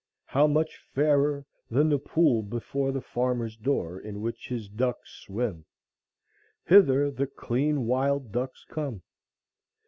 How much fairer than the pool before the farmer's door, in which his ducks swim! Hither the clean wild ducks come.